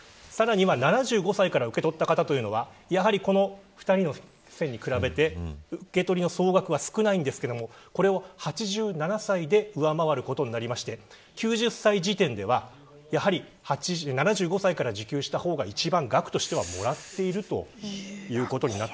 さらには７５歳から受け取った方はこの２人の線に比べて受け取りの総額は少ないんですけどこれを８７歳で上回ることになって９０歳時点では、やはり７５歳から受給した方が一番額としては、もらっている。